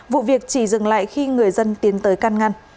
vụ việc chỉ dừng lại khi người dân tiến tới can ngăn